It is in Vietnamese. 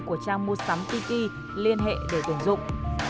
của trang mua sắm tiki liên hệ để tổng dụng